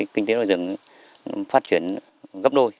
kinh tế đồi rừng phát triển gấp đôi